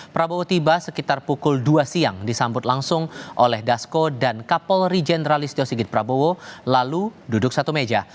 prabowo tiba sekitar pukul dua siang disambut langsung oleh dasko dan kapolri jenderal istio sigit prabowo lalu duduk satu meja